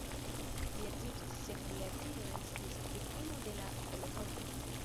Li edziĝis, sed lia edzino estis viktimo de la holokaŭsto.